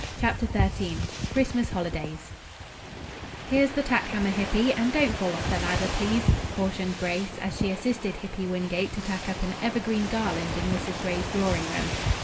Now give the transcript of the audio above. CHAPTER XIII CHRISTMAS HOLIDAYS "Here's the tack hammer, Hippy, and don't fall off the ladder, please," cautioned Grace, as she assisted Hippy Wingate to tack up an evergreen garland in Mrs. Gray's drawing room.